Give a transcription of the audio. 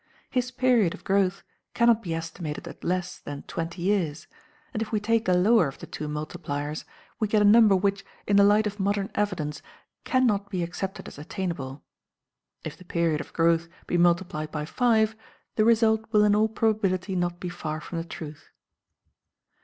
His period of growth cannot be estimated at less than twenty years; and if we take the lower of the two multipliers, we get a number which, in the light of modern evidence, can not be accepted as attainable. If the period of growth be multiplied by five, the result will in all probability not be far from the truth.